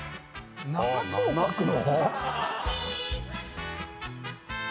７つも書くの⁉